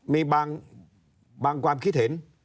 มีบางความคิดเห็น